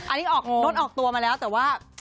อันนี้ออกรถออกตัวมาแล้วแต่ว่า